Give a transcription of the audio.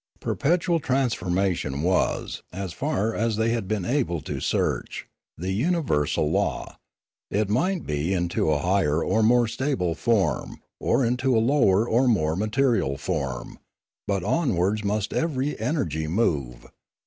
Perpetual transformation was, as far as they had been able to search, the universal law: it might be into a higher or more stable form, Death 361 or into a lower or more material form, but onwards must every energy move.